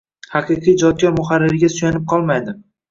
Haqiqiy ijodkor muharrirga suyanib qolmaydi